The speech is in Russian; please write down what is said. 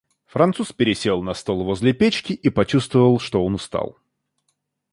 Француз пересел на стул возле печки и почувствовал, что он устал.